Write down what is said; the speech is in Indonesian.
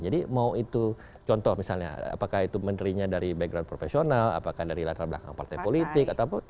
jadi mau itu contoh misalnya apakah itu menterinya dari background profesional apakah dari latar belakang partai politik